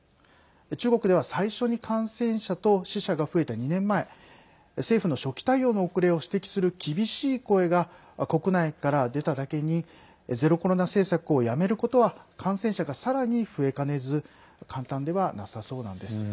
中国では最初に感染者と死者が増えた２年前政府の初期対応の遅れを指摘する厳しい声が国内から出ただけにゼロコロナ政策をやめることは感染者がさらに増えかねず簡単ではなさそうなんです。